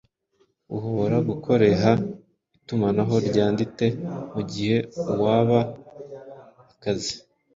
Uhobora gukoreha itumanaho ryandite mugihe uaba akazi